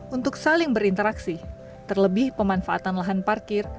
untuk saling berinteraksi terlebih pemanfaatan lahan parkir